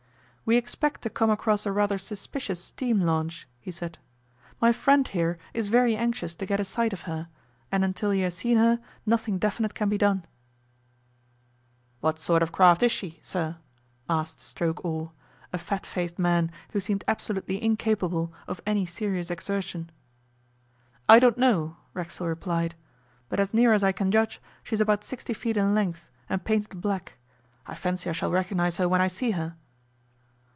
'We expect to come across a rather suspicious steam launch,' he said. 'My friend here is very anxious to get a sight of her, and until he has seen her nothing definite can be done.' 'What sort of a craft is she, sir?' asked the stroke oar, a fat faced man who seemed absolutely incapable of any serious exertion. 'I don't know,' Racksole replied; 'but as near as I can judge, she's about sixty feet in length, and painted black. I fancy I shall recognize her when I see her.